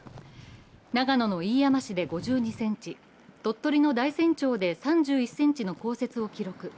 長野の飯山市で５２ｃｍ、鳥取の大山町で３１ｃｍの降雪を記録。